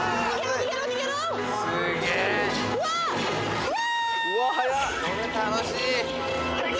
うわっうわ！